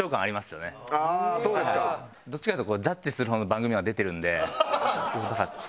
どっちかと言うとジャッジする方の番組には出てるんで。